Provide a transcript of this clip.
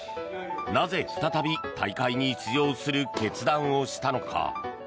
なぜ、再び大会に出場する決断をしたのか。